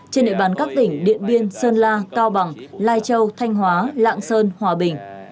trên nệm bán các tỉnh điện biên sơn la cao bằng lai châu thanh hóa lạng sơn hòa bình